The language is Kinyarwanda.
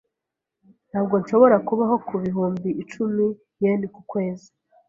Ntabwo nshobora kubaho ku bihumbi icumi yen ku kwezi.